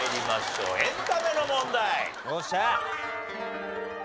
エンタメの問題。